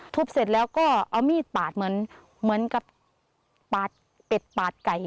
ทุบเสร็จแล้วก็เอามีดปาดเหมือนกับเป็ดปาดไก่